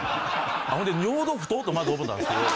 ほんで尿道太ってまず思ったんですけど。